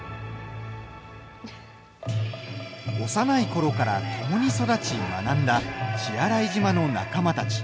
幼いころから、ともに育ち学んだ血洗島の仲間たち。